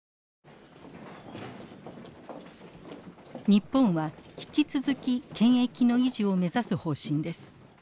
日本は引き続き権益の維持を目指す方針です。